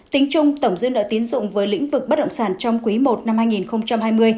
tính chung tổng dư nợ tiến dụng với lĩnh vực bất động sản trong quý i năm hai nghìn hai mươi